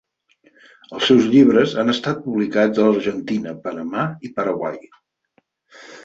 Els seus llibres han estat publicats a l'Argentina, Panamà i Paraguai.